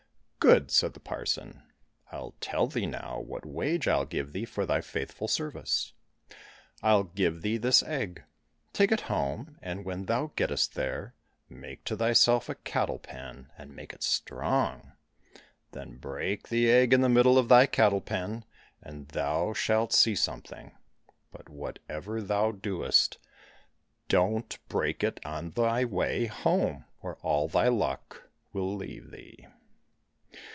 —" Good !" said the parson. " I'll tell thee now what wage I'll give thee for thy faithful service. I'll give thee this egg. Take it home, and when thou gettest there, maSke to thyself a cattle pen, and make it strong ; then break the egg in the middle of thy cattle pen, and thou shalt see something. But whatever thou doest, don't break it on thy way home, or all thy luck will leave thee."